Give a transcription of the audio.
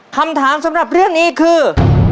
คำถามสำหรับเรื่องนี้คือ